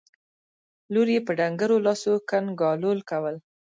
لور يې په ډنګرو لاسو کنګالول کول.